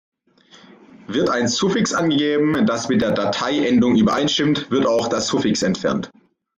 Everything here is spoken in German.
Wird ein Suffix angegeben, das mit der Dateiendung übereinstimmt, wird auch das Suffix entfernt.